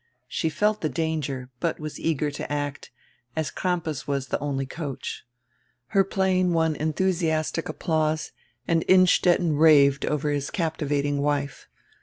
She felt die danger, but was eager to act, as Crampas was only die coach. Her playing won endiusiastic applause and Innstetten raved over his captivating wife.